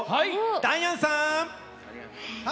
ダイアンさん！